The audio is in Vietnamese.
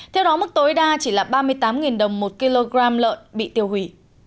theo đó mức tối đa chỉ là ba mươi tám đồng một kg lợn bị tiêu hủy